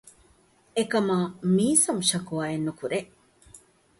އެކަމާ މީސަމް ޝަކުވާއެއް ނުކުރޭ